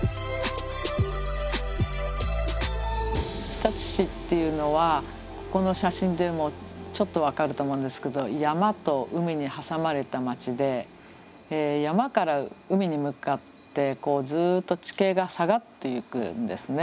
日立市っていうのはここの写真でもちょっと分かると思うんですけど山と海に挟まれた町で山から海に向かってずっと地形が下がっていくんですね。